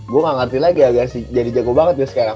gue gak ngerti lagi agak jadi jago banget gak sekarang